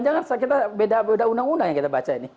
jangan jangan beda undang undang yang kita baca ini